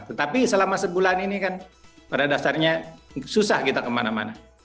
tetapi selama sebulan ini kan pada dasarnya susah kita kemana mana